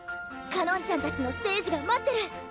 かのんちゃんたちのステージが待ってる。